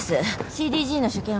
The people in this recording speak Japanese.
ＣＴＧの所見は？